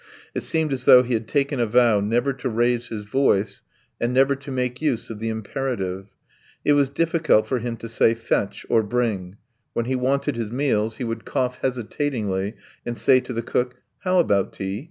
It seemed as though he had taken a vow never to raise his voice and never to make use of the imperative. It was difficult for him to say "Fetch" or "Bring"; when he wanted his meals he would cough hesitatingly and say to the cook, "How about tea?.